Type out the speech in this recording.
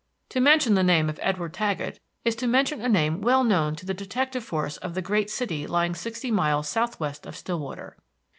To mention the name of Edward Taggett is to mention a name well known to the detective force of the great city lying sixty miles southwest of Stillwater.